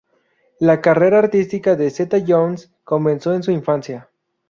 La carrera artística de Zeta-Jones comenzó en su infancia.